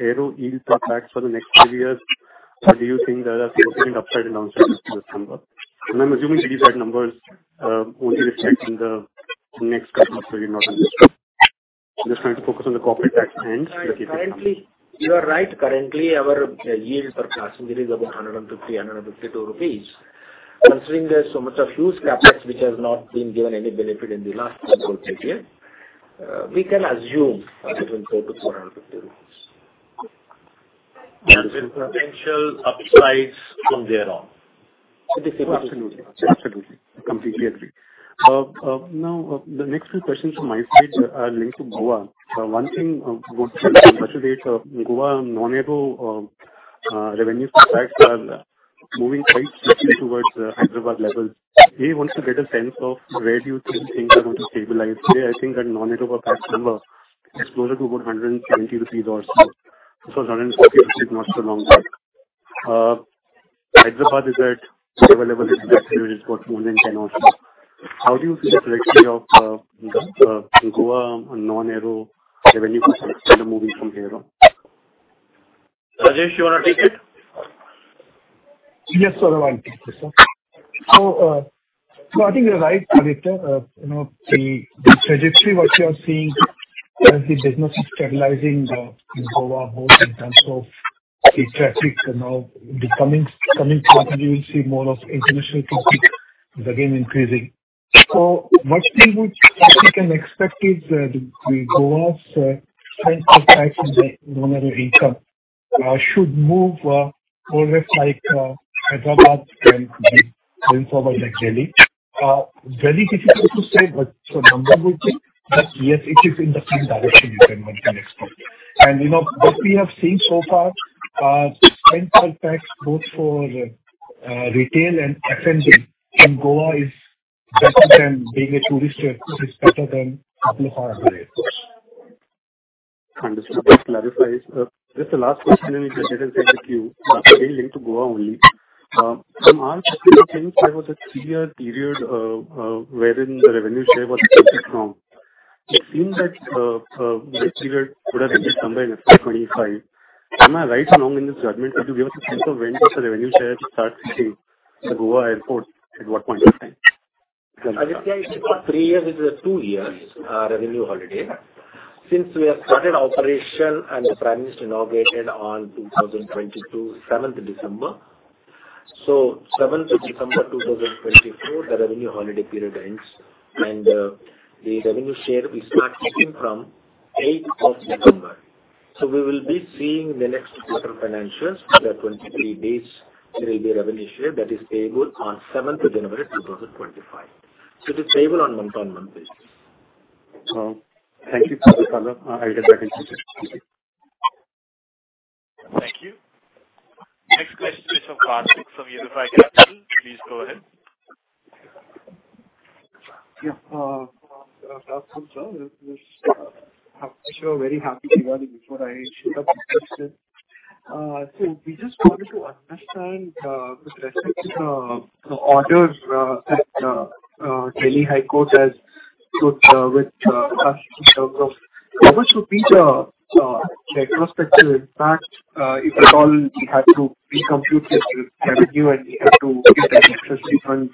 aero yield per pax for the next three years? Or do you think there are significant upside and downside risk to this number? And I'm assuming these are numbers only reflecting the next quarter, not in this one. I'm just trying to focus on the corporate tax lens. Currently, you are right. Currently, our yield per passenger is about 150, 152 rupees. Considering there's so much of huge CapEx which has not been given any benefit in the last three to four years, we can assume between INR 400-INR 450. There's potential upsides from there on. Absolutely. Absolutely. I completely agree. Now, the next few questions from my side are linked to Goa. One thing, would Goa non-aero revenue impacts are moving quite quickly towards the Hyderabad level. I want to get a sense of where you think things are going to stabilize? Today, I think that non-aero impact number has grown to about 170 rupees or so. It was 150 rupees not so long back. Hyderabad is at level is what, more than 10 also. How do you see the trajectory of Goa non-aero revenue moving from here on? Rajesh, you want to take it? Yes, sir, I will take this one. So, I think you're right, Aditya. You know, the trajectory what you are seeing as the business is stabilizing in Goa both in terms of the traffic and now coming through, you will see more of international traffic is again increasing. So what we can expect is the Goa's revenue per pax in the non-aero income should move more or less like Hyderabad and Mumbai like Delhi. Very difficult to say what the number would be, but yes, it is in the same direction one can expect. And, you know, what we have seen so far, spend per pax both for retail and F&B in Goa is better than being a tourist, is better than other airports. Understood. That clarifies. Just the last question, and we can get it back with you, still linked to Goa only. From our perspective, there was a three-year period wherein the revenue share was affected from. It seems that that period would have ended somewhere in April twenty-five. Am I right along in this judgment? Could you give us a sense of when does the revenue share start to pay the Goa airport, at what point in time? Aditya, it is not three years, it is a two years revenue holiday. Since we have started operation and the Prime Minister inaugurated on 2022, 7th of December. So 7th of December 2024, the revenue holiday period ends, and the revenue share will start kicking from 8th of November. So we will be seeing the next quarter financials, the 23 days there will be a revenue share that is payable on 7th of January, 2025. So it is payable on month-on-month basis. Oh, thank you for the follow-up. I'll get that in. Thank you. Next question is from Karthik, from Unifi Capital. Please go ahead. Yeah. Good afternoon, sir. I'm sure very happy about it before I show up. So we just wanted to understand with respect to the order that Delhi High Court has put with us in terms of what should be the retrospective impact if at all we have to recompute the revenue, and we have to get the excess refund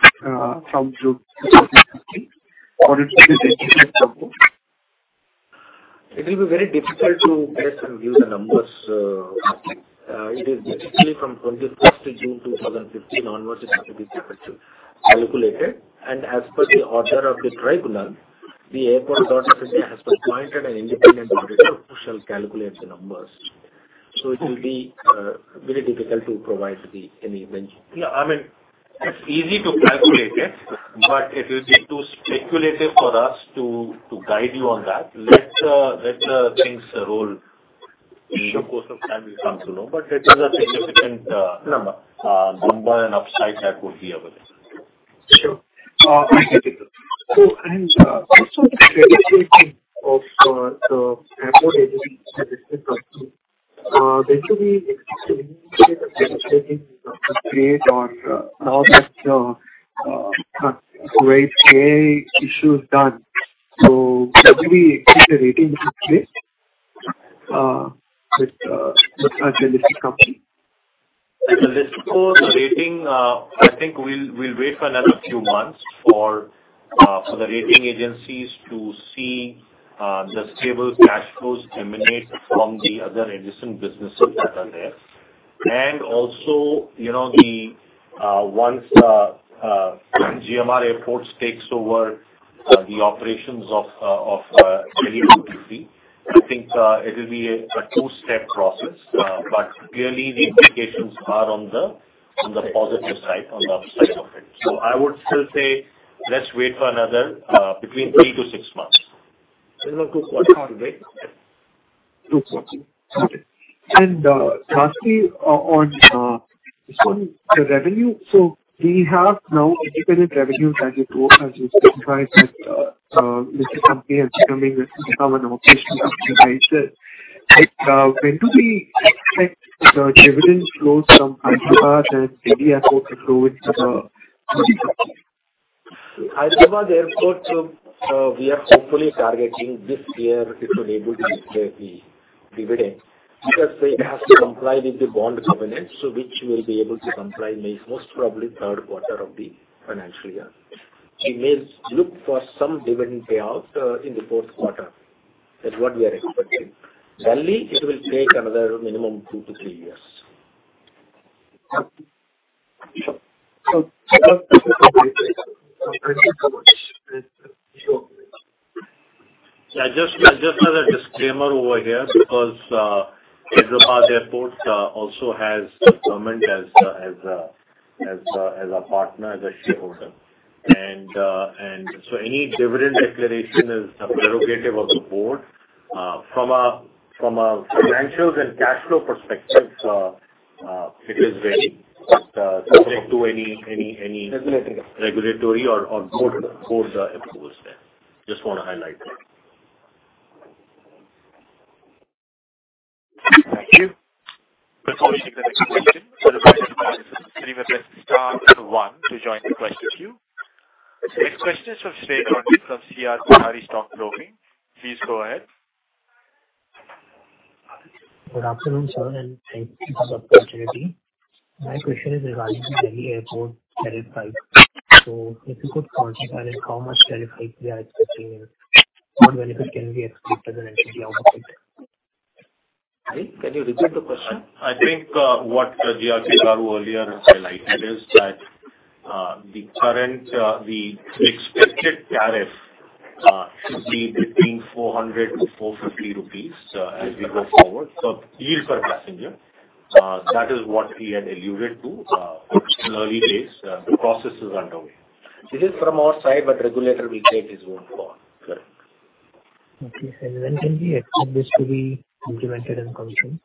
from June two thousand and fifteen, what it is exactly supposed? It will be very difficult to get and give the numbers. It is basically from 25th of June 2015 onwards, it has to be effectively calculated, and as per the order of the tribunal, the Airports Authority of India has appointed an independent auditor who shall calculate the numbers. It will be very difficult to provide any mention. Yeah, I mean, it's easy to calculate it, but it will be too speculative for us to guide you on that. Let things roll. In the course of time, we'll come to know, but it is a significant number. Number and upside that would be available. Sure. Thank you. So, also the credit rating of the airport agency. There should be a credit rating grade or grade A issues done. So could we get the rating in place with as a listed company?... As for the rating, I think we'll wait for another few months for the rating agencies to see the stable cash flows emanate from the other adjacent businesses that are there. And also, you know, once GMR Airports takes over the operations of Delhi Duty Free, I think it will be a two-step process. But clearly the implications are on the positive side, on the upside of it. So I would still say let's wait for another between three to six months. There are 2 quarters to wait. Two quarters. Got it. And lastly, on just on the revenue. So we have now independent revenues as you go, as you described, that this company is becoming an operational company, right? When do we expect the dividend flows from Hyderabad and Delhi Airport to flow into the...? Hyderabad Airport, we are hopefully targeting this year, it will able to pay the dividend, because they have to comply with the bond covenants, so which will be able to comply most probably third quarter of the financial year. It means look for some dividend payout in the fourth quarter. That's what we are expecting. Delhi, it will take another minimum two to three years. So thank you so much. Yeah, just as a disclaimer over here, because Hyderabad Airport also has the government as a partner, as a shareholder. And so any dividend declaration is a prerogative of the board. From a financials and cash flow perspective, it is very subject to any, Regulatory. -regulatory or Board approvals there. Just want to highlight that. Thank you. We'll take the next question. Star one to join the question queue. Next question is from Shrey Gandhi from CR Kothari Stock Broking. Please go ahead. Good afternoon, sir, and thank you for the opportunity. My question is regarding the Delhi Airport tariff hike. So if you could quantify how much tariff hike we are expecting and what benefit can we expect as an entity out of it? Sorry, can you repeat the question? I think what G.R.K. Babu earlier highlighted is that the current expected tariff should be between 400-450 rupees as we go forward, so yield per passenger. That is what he had alluded to in early days. The process is underway. This is from our side, but regulator will take his own call. Correct. Okay. And when can we expect this to be implemented and commissioned?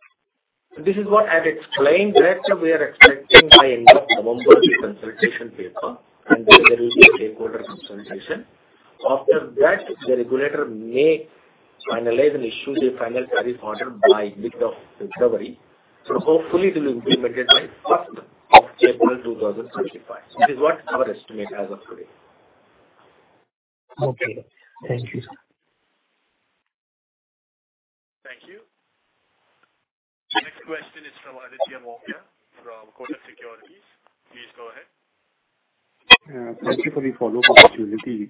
This is what I had explained that we are expecting by end of November, the consultation paper, and then there is a stakeholder consultation. After that, the regulator may finalize and issue the final tariff order by mid of February. So hopefully it will be implemented by first week of April 2, 2025. This is what our estimate as of today. Okay. Thank you, sir. Thank you. The next question is from Aditya Mongia from Kotak Securities. Please go ahead. Thank you for the follow-up opportunity.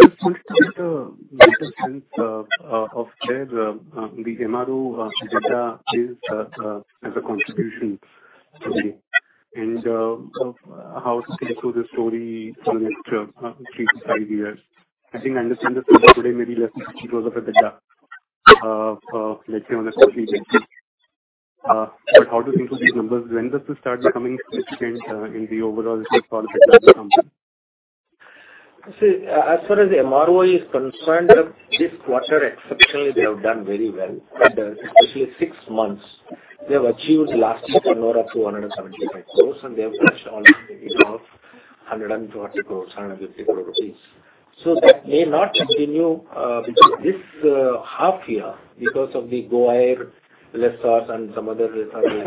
Just wanted to get a better sense of where the MRO data is as a contribution today, and of how things go the story from next three to five years. I think I understand the figure today may be less than 50,000 data, let's say on a monthly basis. But how do you think of these numbers? When does this start becoming significant in the overall profit of the company? See, as far as MRO is concerned, this quarter exceptionally, they have done very well. And especially six months, they have achieved last turnover of 275 crore, and they have cash only maybe about 140 crore, 150 crore rupees. So that may not continue, because this half year, because of the Go First lessors and some other lessors,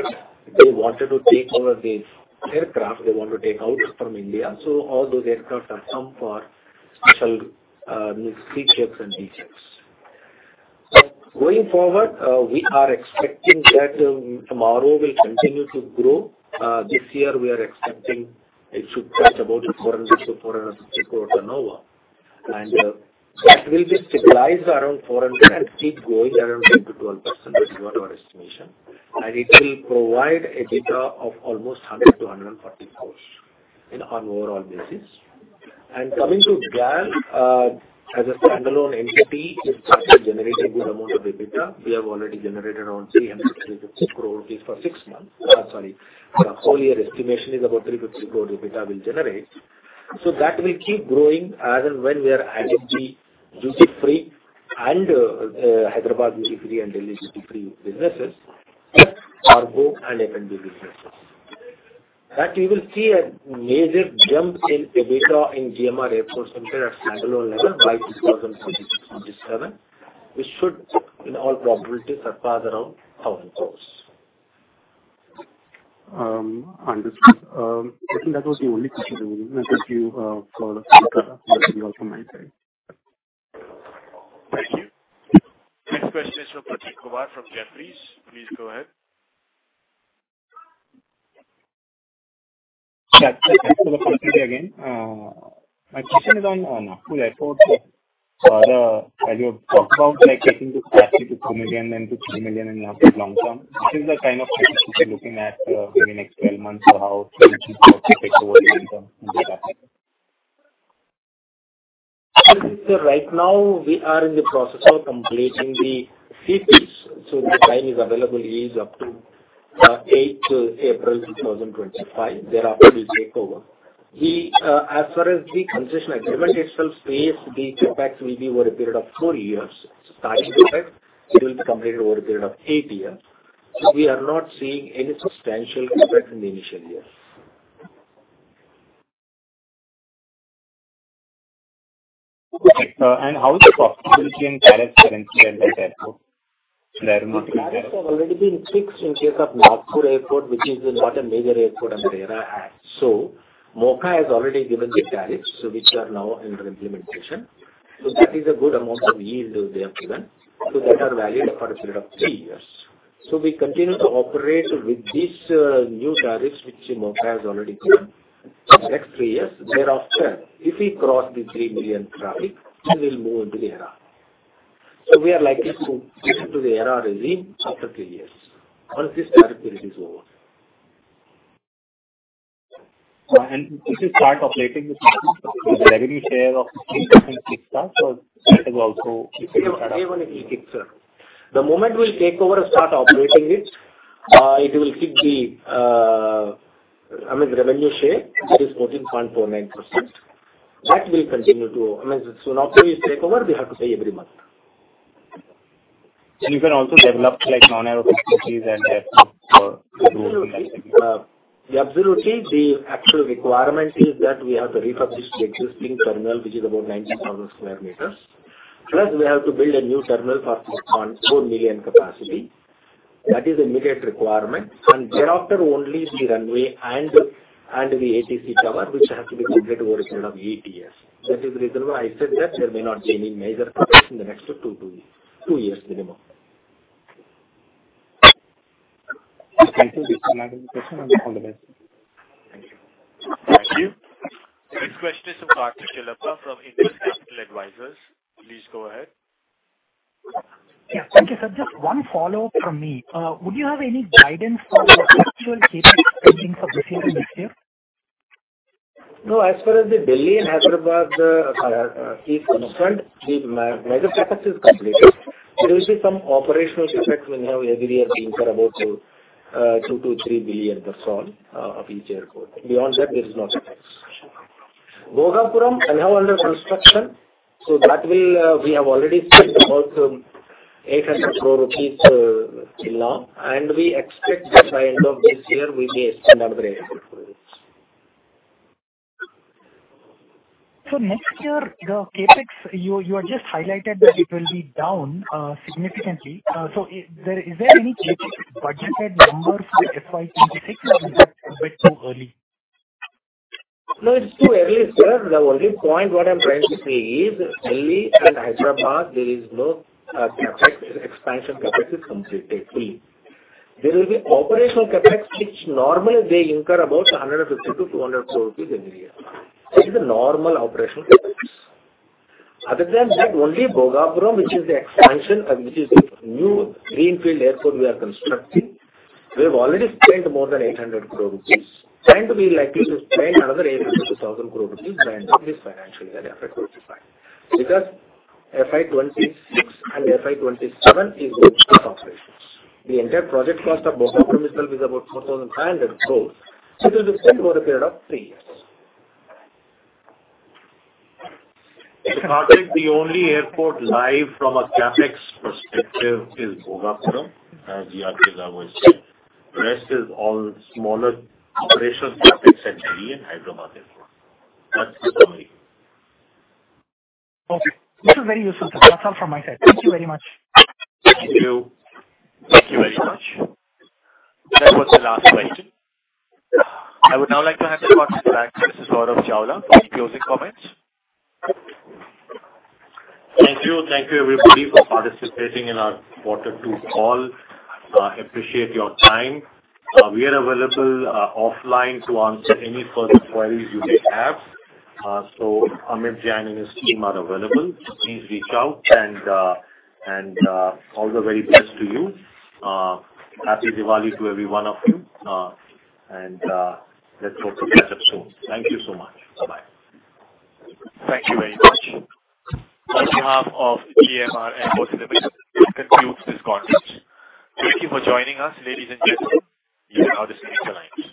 they wanted to take over the aircraft, they want to take out from India. So all those aircraft are some for special these C-checks and D-checks. But going forward, we are expecting that MRO will continue to grow. This year, we are expecting it should touch about INR 400-INR 450 crore turnover. And that will be stabilized around 400 crore and keep growing around 10%-12%. This is what our estimation. And it will provide data of almost 100-140 crore on an overall basis. Coming to GAL, as a standalone entity, it started generating good amount of EBITDA. We have already generated around 366 crore rupees for six months. Whole year estimation is about 350 crore rupees EBITDA will generate. So that will keep growing as and when we are adding the duty-free and Hyderabad duty-free and Delhi duty-free businesses, cargo and F&B businesses. Then you will see a major jump in EBITDA in GMR Airports at standalone level by 2026-2027. It should, in all probability, surpass around INR 1,000 crore. Understood. I think that was the only question. Thank you for the time from my side.... Next question is from Prateek Kumar from Jefferies. Please go ahead. Thanks for the opportunity again. My question is on Nagpur Airport. As you have talked about, like, getting to 3-4 million, then to 30 million in Nagpur long term, this is the kind of looking at, in the next 12 months, or how things affect over the long term in data? Sir, right now we are in the process of completing the phase, so the time available is up to 8th April 2025. Thereafter, we'll take over. As far as the concession agreement itself says, the impacts will be over a period of four years. Starting effect, it will be completed over a period of eight years. So we are not seeing any substantial effect in the initial years. Okay, and how is the possibility in current currency at that airport? There might be- have already been fixed in case of Nagpur Airport, which is not a major airport under AERA Act. MoCA has already given the clearance, so which are now under implementation. That is a good amount of leeway they have given. Those are valid for a period of three years. We continue to operate with this new clearance, which MoCA has already given for the next three years. Thereafter, if we cross the three million traffic, we will move into the AERA. We are likely to move into the AERA regime after three years, once this current period is over. This is part of revenue share of 60%, so that is also- The moment we take over and start operating it, it will keep the, I mean, the revenue share, that is 14.49%. That will continue to... I mean, so after we take over, we have to pay every month. And you can also develop, like, non-aero facilities and airports for- Absolutely. Absolutely. The actual requirement is that we have to refurbish the existing terminal, which is about 90,000 sq m. Plus, we have to build a new terminal for 4.4 million capacity. That is the immediate requirement. And thereafter, only the runway and the ATC tower, which has to be completed over a period of 8 years. That is the reason why I said that there may not be any major progress in the next 2 years minimum. Thank you. All the best. Thank you. Next question is from Karthik Chellappa from Indus Capital Advisors. Please go ahead. Yeah, thank you, sir. Just one follow-up from me. Would you have any guidance for the actual CapEx spending for this year, next year? No, as far as the Delhi and Hyderabad are concerned, the major CapEx is completed. There will be some operational OpEx when we have every year been for about 2 billion-INR3 billion, that's all of each airport. Beyond that, there is no OpEx. Bhogapuram is now under construction, so that will, we have already spent about 800 crore rupees till now, and we expect that by end of this year, we may spend another INR 800 crores. So next year, the CapEx, you had just highlighted that it will be down significantly. So there, is there any CapEx budgeted number for FY 2026, or is that a bit too early? No, it's too early, sir. The only point what I'm trying to say is Delhi and Hyderabad, there is no CapEx. Expansion CapEx is completely free. There will be operational CapEx, which normally they incur about 150 crore-200 crore rupees every year. This is a normal operational CapEx. Other than that, only Bhogapuram, which is the expansion, and which is the new greenfield airport we are constructing. We have already spent more than 800 crore rupees, and we are likely to spend another 800 crore-1,000 crore rupees by end of this financial year, FY 2025. Because FY 2026 and FY 2027 is with operations. The entire project cost of Bhogapuram itself is about 4,500 crores. So it will be spent over a period of three years. Karthik, the only airport live from a CapEx perspective is Bhogapuram, as Yogi said. The rest is all smaller operational CapEx at Delhi and Hyderabad Airports. That's the summary. Okay, this is very useful, sir. That's all from my side. Thank you very much. Thank you. Thank you very much. That was the last question. I would now like to hand it back to Saurabh Chawla for closing comments. Thank you. Thank you, everybody, for participating in our quarter two call. Appreciate your time. We are available offline to answer any further queries you may have. So Amit Jain and his team are available. Please reach out and all the very best to you. Happy Diwali to every one of you, and let's hope to catch up soon. Thank you so much. Bye-bye. Thank you very much. On behalf of GMR, this concludes this conference. Thank you for joining us, ladies and gentlemen. You may now disconnect your lines.